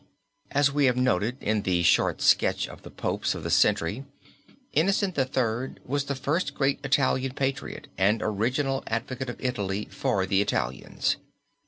As we have noted in the short sketch of the popes of the century, Innocent III. was the first great Italian patriot and original advocate of Italy for the Italians.